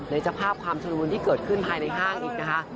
ในจภาพความสมบูรณ์ที่เกิดขึ้นภายในห้างอีกนะคะ